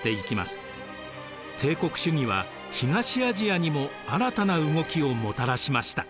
帝国主義は東アジアにも新たな動きをもたらしました。